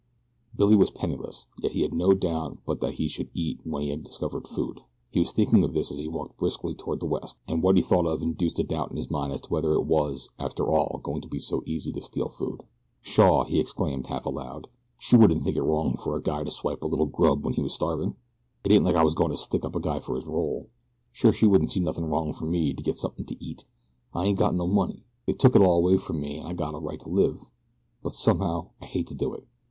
Billy was penniless, yet he had no doubt but that he should eat when he had discovered food. He was thinking of this as he walked briskly toward the west, and what he thought of induced a doubt in his mind as to whether it was, after all, going to be so easy to steal food. "Shaw!" he exclaimed, half aloud, "she wouldn't think it wrong for a guy to swipe a little grub when he was starvin'. It ain't like I was goin' to stick a guy up for his roll. Sure she wouldn't see nothin' wrong for me to get something to eat. I ain't got no money. They took it all away from me, an' I got a right to live but, somehow, I hate to do it.